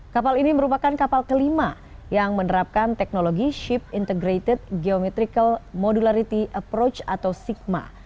kapal ini merupakan kapal kelima yang menerapkan teknologi ship integrated geometrical modularity approach atau sigma